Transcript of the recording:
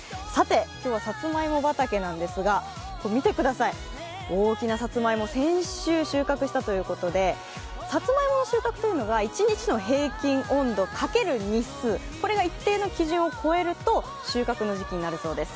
今日はさつまいも畑なんですが、見てください、大きなさつまいも、先週収穫したということで、さつまいもの収穫というのは、一日の平均温度×日数、これが一定の基準を超えると収穫の時期になるそうです。